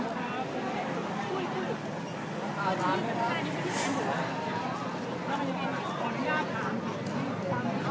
และที่อยู่ด้านหลังคุณยิ่งรักนะคะก็คือนางสาวคัตยาสวัสดีผลนะคะ